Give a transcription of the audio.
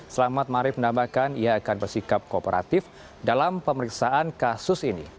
selamat marif menambahkan ia akan bersikap kooperatif dalam pemeriksaan kasus ini